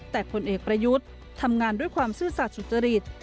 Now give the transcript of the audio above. แต่ผลเอกประยุทธ์ทำงานด้วยความซื่อสัตว์สุจริต